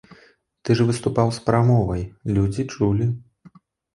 Ты ж выступаў з прамовай, людзі чулі.